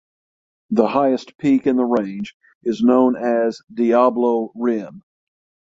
The highest peak in the range is known as Diablo Rim.